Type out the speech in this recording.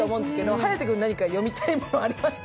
颯君、何か読みたいものはありました？